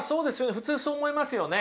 普通そう思いますよね。